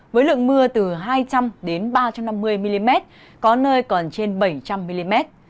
với lượng mưa từ hai trăm linh ba trăm năm mươi mm có nơi còn trên bảy trăm linh mm